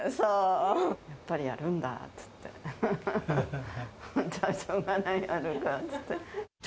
やっぱりやるんだって、じゃあしょうがない、やるかって言って。